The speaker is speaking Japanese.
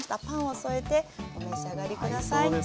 パンを添えてお召し上がり下さい。